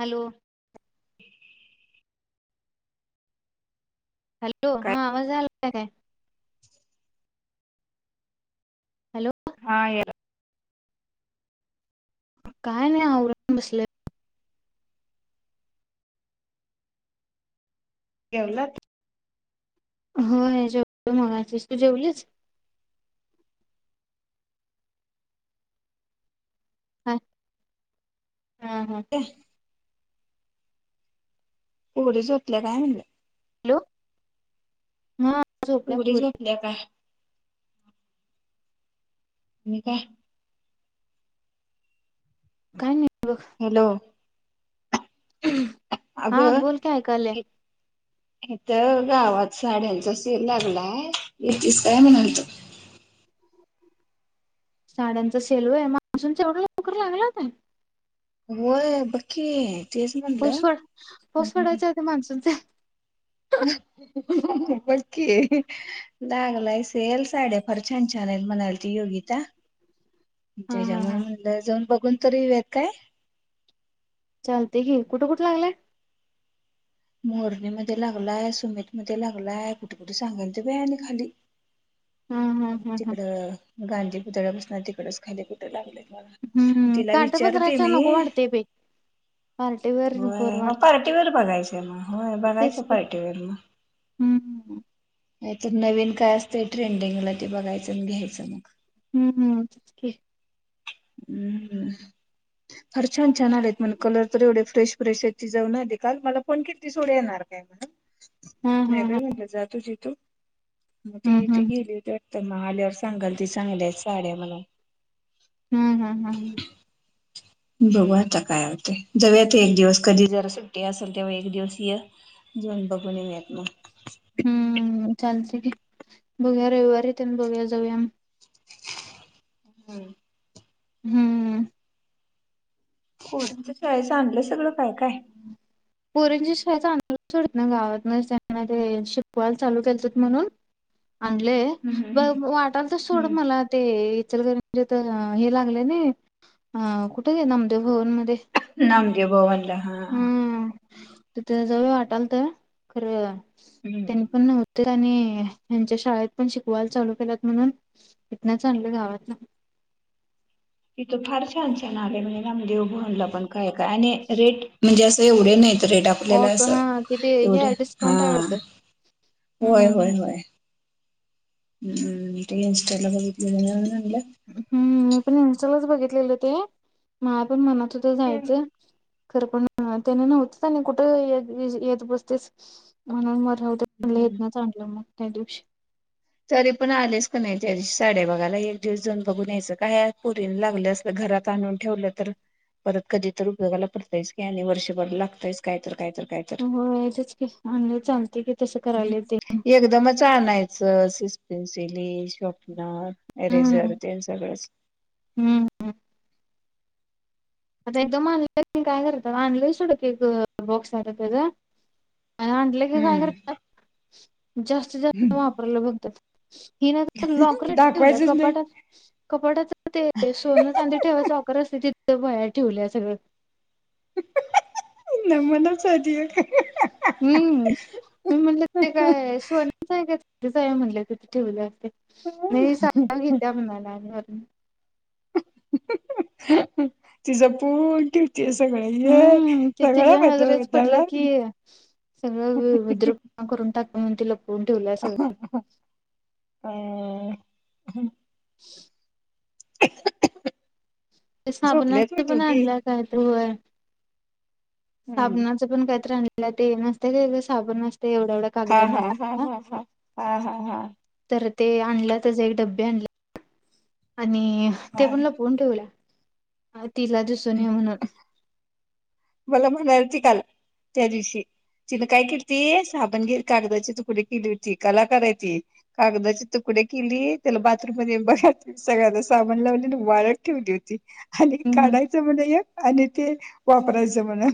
Hello! [inaudible] Hello, काय? हा आवाज आला का काय? हॅलो! हा याला काय नाही आवरून बसले. जेवलात? हो जेवले मगाशीच, तू जेवलीस? हा हां हा. [unintelligible] पोरी झोपल्या काय. हॅलो. हा झोपल्या पोरी झोपल्या काय. नाही काय नाही. बघ हॅलो. [unintelligible] आग हा बोल काय ऐकायले इथ गावात साड्यांचा सेल लागलाय. येतीस काय म्हणालतो. साड्यांचं सेल होय. मग अजून तेवढ्या लवकर लागला का? होय बघ की. तेच पाऊस म्हणलं पड, पाऊस पडायच्या आधी माणस [unintelligible] बघकी, लागलाय सेल साड्या फार छान छान आहेत, म्हणालती योगीता. हा हा त्याच्यामुळे हा म्हटल जाऊन बघून तरी येऊयात काय? चालतय की. कुठं, कुठे लागलंय? मोरणीमध्ये लागलाय, सुमित मध्ये लागलाय, कुठे कुठे सांगालती बाई आणि खाली हा हा हा हा तिकड गांधी पुतळ्या पसण तिकडच खाली कुठ लागलंय काय माहित? हम्म तिला काटा विचारते मी पार्टी वेयर होय मग पार्टीवेअर बघायचे, मग होय बघायचे पार्टीवेअर मग. हम्म हम्म. नाही तर नवीन काय असतय ट्रेंडिंगला ते बघायचं आणि घ्यायचं मग. हं- हं. हम्म. फार छान छान आले आहेत म्हण कलर तर एवढे फ्रेश फ्रेश आहेत, ती जाऊन आली काल, मला फोन केलती सोड येणार काय म्हणून. हा नाही हा बाई हा म्हटलं जा तुजी तु, मग ती हम्म ती हम्म गेली होती. त्यांना आल्यावर सांगालती, चांगल्या हायत साड्या म्हणून. हम्म-हम्म-हम्म. बघू आता काय होतय. जावुया ते एक दिवस कधी जरा सुट्टी असेल तेव्हा एक दिवस ये. जाऊन बघून येउया मग. हम्म चालतय घे. बघुया रविवारी तेन बघुया जाऊया मग. [unintelligible] हम्म. पोरीच्या शाळेच आणलंय सगळं काय-काय. पोरींची शाळेच गावात न त्यांना ते शिकवायला चालू केलतीत म्हणून, आणलय. बघ वाटालत सोड मला ते इचलकरंजी तिथं हे लागलंय नाही. अ कुठ ग नामदेव भवन मध्ये. नामदेव भवनला हा. हम्म तिथं जवळ वाटालत खरं त्यानी तिथं पण नव्हत. त्यांनी, हेच्या शाळेत पण शिकवायला चालू केल्यात म्हणून इथंनच आनलोय गावातन. तिथं फार छान -छान आलंय म्हणे नामदेवभवनला पण काय, काय आणि रेट म्हणजे अस ते एवढे नाहीत रेट आपल आपल्याला ऑफ अस, हा किती एवढे हे हा, डिस्काउंट आहे वाटतं होय, हम्म होय, होय. हम्म, ते इनस्टाला बघीतलेल म्हणून आणल्यात. हम्म मी पण इन्स्टालाच बघितलेले ते, मला पण मनात होतं जायचं. खरं पण त्यानी नव्हतीत आणि कुठं ये येत बसतीस. म्हणून मग राहुदे म्हनल हम्म. हितंनच आणलं मग त्या दिवशी. तरी पण आलेस कणी त्या दिवशी साडया बघायला, एक दिवस जाऊन बघून या्यायचं काय हाय पुरीन लागल्यास. घरात आणून ठेवलं तर. परत कधी तर उपयोगाला पडतयच की आणि वर्षभर लागतायच काय तर काय तर काय. तर होय तेच की, आणि मग चालतय की तसं करायलोय ते पण. छान आणायच पेन्सिसिली, शॉपनर, इरेझर तेन सगळंच. हम्म हम्म. आता एकदम आणला काय करत्यात आणलं सोडं ते एक बॉक्स आहे त्येजा आणि आण तिनी काय हम्म करत्यात, जास्ती -जास्त वापरायला बगत्यात ती लॉकरला ठेवल्या दाखवायचंच नाही कपाटात कपाटाच ते सोनं चांदीे ठेवायचं लॉकर असतय तिथं व्हया ठेवल्या सगळं. ह, ह नमुनाच हाय ती एक. हम्म, मी म्हटलं ते काय सोन सोन्याच काय चांदीच आहे म्हणले तिथे ठेवल्यास ते, नयी सा घेत्या म्हणाला आणि वरण. ह, ती जपून ठेवं हम्म ते तिच्या नजरेच पडलं की [unintelligible] का करून टाकतीया म्हणून लप ह ह काय [inaudible] ते झोपल्यात व्हय साबणाच पण दोघी आणल्या काय तर होय. हम्म साबणाचं पण कायतर आणलेला, ते नसतय का साबण असतय एवढा- एवढा हा, कागदांना हा, हा, बांधला. हा, हा, हा, हा, हा. तर ते आणला तेज एक डबे आणले आणि ते हा लपऊन ठेवलीया, तिला दिसून नये म्हणून. मला म्हणालती काल त्या दिवशी तिनं काय केलती, साबण घेऊन कागदाची तुकडी केली होती, कलाकार हाय ती. कागदाचे तुकडे केली, त्याला बाथरूम मध्ये भा सगळ्याना साबण लावलेली वाळत ठेवली होती. आणि काढायचं म्हण एक आणि ते वापरायचं म्हण.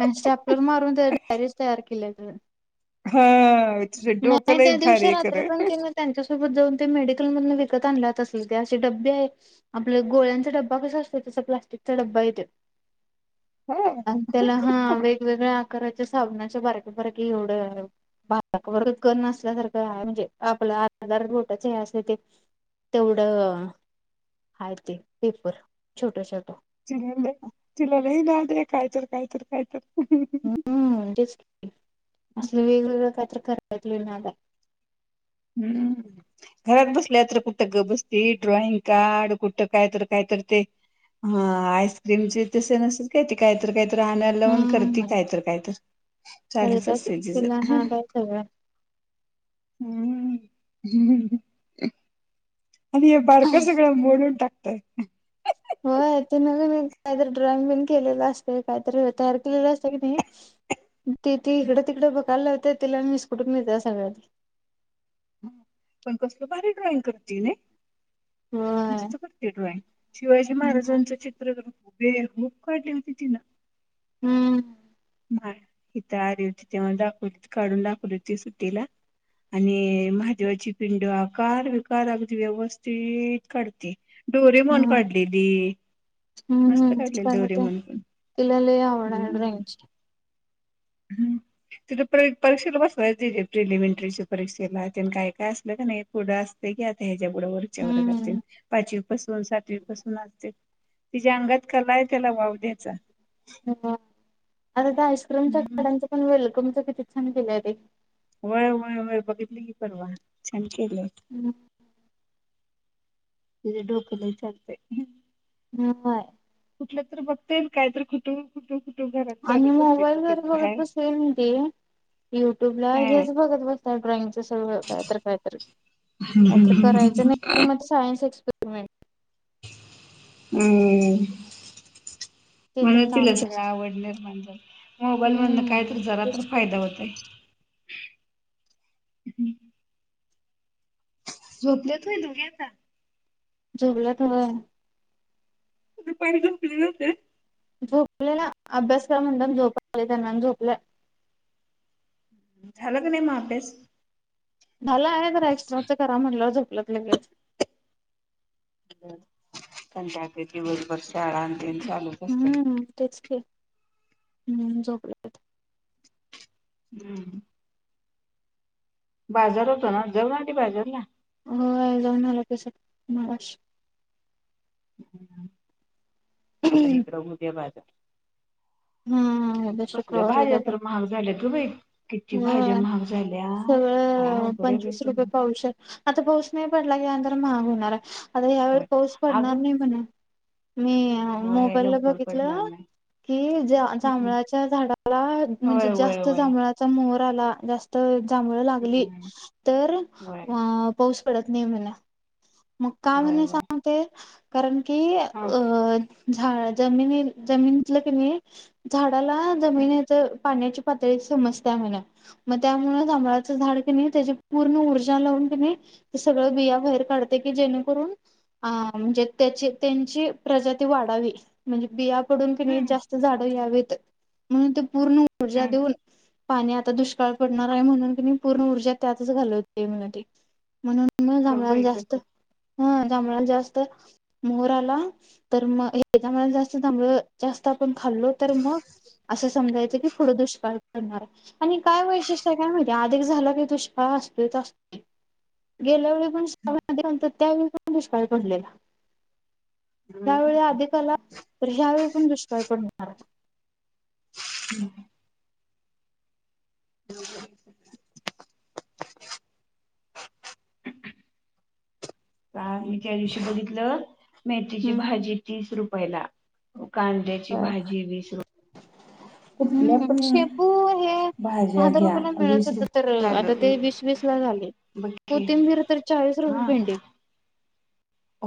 आणि स्टॅपलर मारून त्या डायरीज तयार केल्या ग. हा, तीच डोक लई त्या भारी दिवशी हाय खर. रात्री पण ह, ह. तिन त्यांच्यासोबत जाऊन ते मेडिकल मधून विकत आणल असेल ते असे डबे आहेत. आपलं गोळ्यांचा डबा कसा असतो तसा प्लास्टिकचा ड्बा हाय त्यो. होय. त्याला हा वेगवेगळ्या आकाराच्या साबनाच्या बारकीे बारकी एवढं वरत कण नसल्यासारखं म्हणजे, आपलं आपल बोटाच अस ते तेवढं [inaudible] आहेते [inaudible] पेपर छोट, छोट. चिलाले तिला लय नाद हाय कायतर, कायतर, कायतर ह हुम्म, तेच की असलं वेगवेगळं काय तर कराण्यात लयी नाद हम्म घरात बसलेत तर कुठ गप बसती ड्रॉईंग काढ, कुठ काय कायतर ते हा आईस्क्रीम चे तसे नसेल? कायतर, कायतर आणायला लावून करती हम्म काय तर, काय तर, चालुच आसतय तीच ह हो [inaudible] हम्म, हम्म. आणि हे बारका सगळं मोडून टाकताय हो ते नवी काहीतरी ड्रॉइंग बिन केलेलं असते काहीतरी तयार केलेलं असत की नाही [inaudible] त ती इकडे, तिकडे बघायला लावते तिला मीस कुटुंबी सगळ्यात पण कसल भारी ड्रॉइंग करतेय नाही. होय. मस्त करते ड्रॉइंग शिवाजी हम्म महाराजांचं चित्र हुबे हुब काढली होती ती ना. हम्म. मा हीत आली होती तेव्हा दाखव हो काढून दाखवली होती ना? आणि महादेवाची पिंड आकार, विकार अगदी व्यवस्थित काढते. डोरीमाॅन काढलेली मस्त हम्म काढलेल काय म्हणते डोरीमाॅन पण तिला लय आवड आहे हम्म ड्रॉइंगची हम्म. तिथं परीक्षेला बसवायच तिथे प्रिलिमिंटरीच्या परीक्षेला त्या काय, काय असलं का नाही पुढं असत की ह्याच्या पुढे वरच्यावर जातील हम्म. पाचवी पासन, सातवी पासन असतील तिच्या अंगात कला आहे त्याला वाव द्यायचा. हो आता ते आईस्क्रीमच्या हम्म. काड्यांच पण वेलकमच किती छान केलय ते. होय, होय, होय बघितली की परवा छान केल. हम्म. तिच डोक लयी चालतेय. हय [inaudible] कुठल्या तरी बघतेय काय तर कुटुंब कुटुंब कुटुंब घरात आणि चालत असते मोबाईल कुठं वर बघत बाहेर बसेल दे युट्यूब ला हा हेच बघत बघतात ड्रॉइंगच सगळं कायतर, कायतर नाहीतर करायचं नाही तर म सायन्स एक्सपेरिमेंट हम्म.. ते तर म्हणून तिला चालू सगळं असतंय. आवड निर्माण झाली मोबाईल मधून कायत हम्म जरा तर तेच की फायदा होतय. झोपल्यात बाई दोघी आता. झोपला तोवर दुपारी झोपले होते. झोपलेला अभ्यासकर म्हटल्यावर झोपला आली त्याला झोपलाय. झालं का नाही मा अभ्यास? झाला आहे जरा एक्स्ट्राचं करा म्हटलंवर झोपला लगेच. कंता [unintelligible] तीवज वर्ष आळा अ [unintelligible] हम्म, तेच की हम्म झोपलाय त. हम्म. बाजार होतो ना जऊ ना आी बाजारला. हो जाऊन आला तस मश. आता इकडं हुदबाजार. हम्म. शुक्रवार उद ब महाग झाल्यात गं बाई. किती भाज्या ह महाग झाल्यात काय सगळं. अवघड आहे बाई पंचवीस रुपये सगळं. पाहू शात. आता पाऊस नाही पडला कींतर महाग होणार आता या्यावेेळी होय. पाऊस अगं पडणार नाही म्हणा. मी होय मोबाईल ला लवकर पडणार बघितलं नाही. की. हम्म. जांभळाच्या झाडाला होय म्हणजे होय जास्त होय. जांभळाचा मोर आला जास्त. तर जांभळ लागली हम्म. तर होय अ पाऊस पडत नाही म्हला. मग काम होय नाही होय. सांगते कारण की अ. हा झाड जमिनी जमिनीतलं की नाही झाडाला जमिनीच. पाण्याची पातळी समजत म्हणा. मग त्यामुळेच आंबळाचं झाड कणे त्याची पूर्ण ऊर्जा लावून घणे. ते सगळं बिया बाहेर काढतऽ. जेणेकरून अ म्हणजे त्या त्यांची प्रजाती वाढावी, म्हणजे बियाऽ. डून क नै हम्म जास्त झाड यावीत, म्हणून ते पूर्ण ऊर्जा हम्म देऊनऽ. पाणी आता दुष्काळ पडणार आहे म्हणून कनै पूर्ण ऊर्जा त्यातच घालवतय मनं ते, म्हणूनऽ. म बघ जांभळाला बाई जास्त, कसं हा, जाभळाला जास्त, मोहर आला, तर मग हेज्या महिन्यात जास्त जांभळ जास्त आपण खाल्लो, तर मगऽ. असं समजायचं की पुढं दुष्काळ पडणार आहे. आणि काय वैशिष्ट्य आय काय माहिती, आधिक झाला का दुष्काळ असतोयच असतोय, गेल्या वेळीऽ. ण शंत त्यावेळी पण दुष्काळी पडलेला. हम्म. त्यावेळी अधिकाला रि्यावे पण दुष्काळ पड होणार. हम्. का मी त्या दिवशी बघितलं मेथीची हम्म. भाजी तीस रुपयला कांदे. भाजी विस रूपयऽ. हम्म, शेपू हे दहा भाज्या हजार घ्या रुपयाला मिळत वीस होत, रुप तर आता चालू ते वीस वीस. बघ की कोतीमबीर तर चाळीस रुपये हा पिंडी.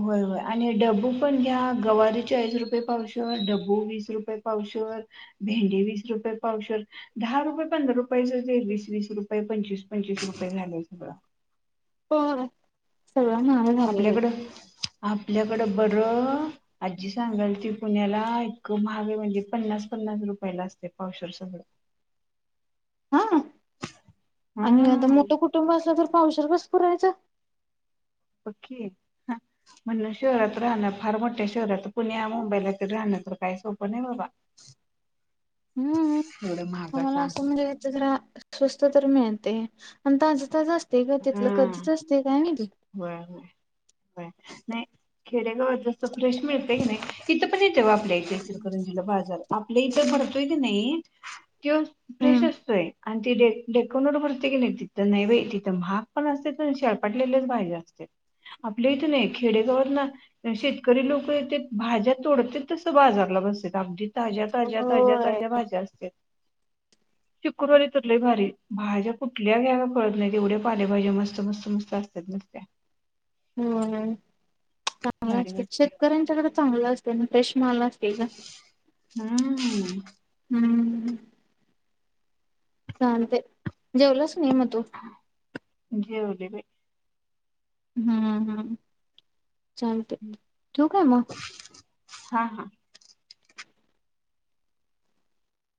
होय होय, आणि डब्बू पण घ्या, गवारी चाळीस रुपये पावशर, डब्बू वीस रुपये पावशर. भेंडी वीस रुपये पावशर. दहा रुपये पंधरा रुपयाच, वीस वीस रुपये पंचवीस पंचवीस रुपये झालेय सगळं. होय, सगळ नाऽ. आपल्याकडं, आपल्याकडं बरंऽ. आजी सांगाल ती पुण्याला, एतक महाग आहे म्हणजे पन्नास पन्नास रुपयाला असतय पावशर सगळं. [unintelligible] हा, आणि आता हम्म मोठं कुटुंब असलं तर पावशर कसं पुरायचं. बगकी, हां. म्हणलं शहरात राहणं, फार मोठ्या शहरात पुण्या मुंबईला तरी राहणं तर काही सोपं नाही बाबा. [unintelligible] हम्म, एवढं महागाचं आमाला आस आणून म्हणजे याच जराऽ. स्वस्त तर मिळतय, आणि ताजं ताजं असतय ग, तिथलं कधीच असतय काय माहीती. वय हय. नाही, खेडेगावात जस फ्रेश मिळतय की नाही, तिथ पण येतोय बा इचलकरंजीला बाजार, आपल इथ भरतोय की नाही त्योच फ्रेश हम्म असतोय. आणि ती डे डेकोनोर भरतोय नाही तिथ, नाही बाई तिथ महाग पण असत्यात आणि शेळपाटलेलेच भाज्या भाज्या असत्यात. आपल्या इथे नाही, खेडेगावात ना शेतकरी लोक येत्यात, भाज्या तोडत्यात तस बाजारला बसत्यात आमच्या इथ. ताज्या ताज्या ताज्या होय ताज्या, भाज्या असत्यात. शुक्रवारी तर लय भारी, भाज्या कुठल्या घ्याव्या कळत नाहीत, एवढ्या पालेभाज्या मस्त मस्त मस्त असत्यात ना. होय, चांगला भारी आस्त्यात वाटतंय शेत कराच्याकडे चांगल असतय, आनी फ्रेश माल असतय ग. हम्म हम्म चालतय, जेवलास नाही मग तू? जेवले बाई. हम्म हम्म, चालतय, ठीवु काय मग. हा हा